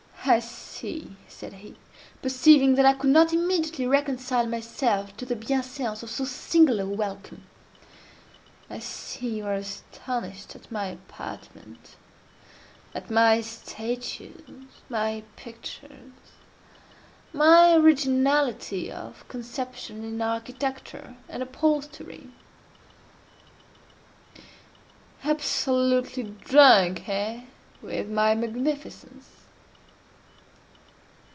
"I see," said he, perceiving that I could not immediately reconcile myself to the bienseance of so singular a welcome—"I see you are astonished at my apartment—at my statues—my pictures—my originality of conception in architecture and upholstery! absolutely drunk, eh, with my magnificence?